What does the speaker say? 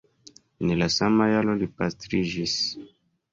En la sama jaro li pastriĝis.